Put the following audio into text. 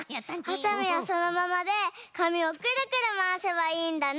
はさみはそのままでかみをくるくるまわせばいいんだね！